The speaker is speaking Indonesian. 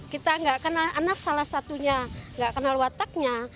kita tidak kenal anak salah satunya tidak kenal wataknya